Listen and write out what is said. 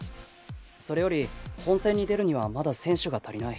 それより本戦に出るにはまだ選手が足りない。